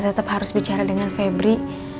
tetap harus bicara dengan febri